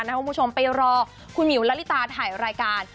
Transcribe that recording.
คุณผู้ชมไปรอคุณหมิวละลิตาถ่ายรายการ